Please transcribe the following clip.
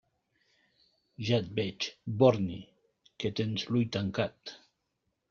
Ja et veig, borni, que tens l'ull tancat.